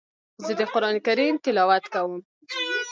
زه د قران کریم تلاوت کوم.